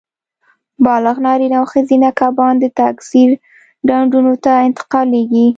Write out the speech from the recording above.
بالغ نارینه او ښځینه کبان د تکثیر ډنډونو ته انتقالېږي.